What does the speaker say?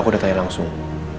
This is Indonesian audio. aku udah tanya langsung